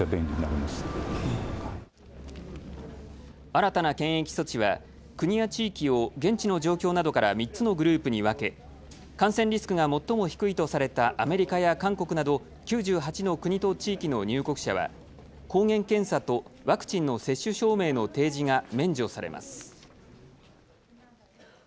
新たな検疫措置は国や地域を現地の状況などから３つのグループに分け感染リスクが最も低いとされたアメリカや韓国など９８の国と地域の入国者は抗原検査とワクチンの接種証明の提示が免除されます。